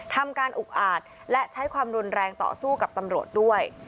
ทำการอุกอาจและใช้ความรุนแรงต่อสู้กับตำรวจด้วย